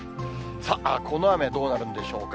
さあ、この雨、どうなるんでしょうか。